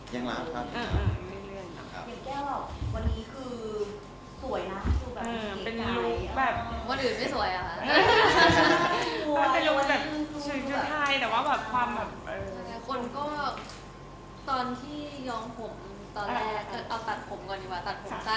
นี่คือแผนไลฟ์สไตล์ที่แผ่นงานแล้วกนั้นใช่มั้ย